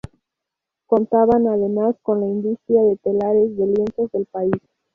Contaban además con la industria de telares de lienzos del país.